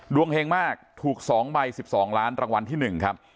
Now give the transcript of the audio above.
เฮงมากถูก๒ใบ๑๒ล้านรางวัลที่๑ครับ